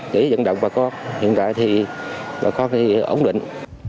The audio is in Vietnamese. nhưng đồng bà con hiện tại thì bà con ổn định